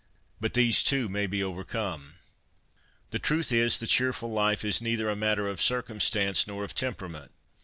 But these, too, may be overcome. The truth is "the cheerful life is neither a matter of circumstance nor of temperament.